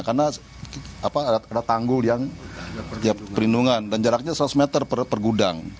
karena ada tanggul yang perlindungan dan jaraknya seratus meter per gudang